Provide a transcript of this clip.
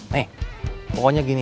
nih pokoknya gini